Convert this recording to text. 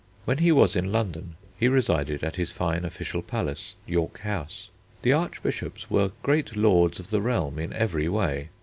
When he was in London he resided at his fine official palace, York House. The Archbishops were great lords of the realm in every way.